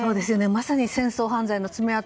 まさに、戦争犯罪の爪痕。